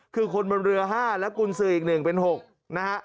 คือคนบนเรือ๕และกุญสืออีก๑เป็น๖นะฮะ